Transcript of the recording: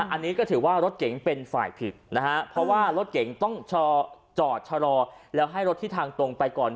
อันนี้ก็ถือว่ารถเก๋งเป็นฝ่ายผิดนะฮะเพราะว่ารถเก๋งต้องจอดชะลอแล้วให้รถที่ทางตรงไปก่อน